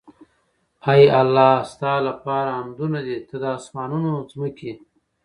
اې الله ! ستا لپاره حمدونه دي ته د آسمانونو، ځمکي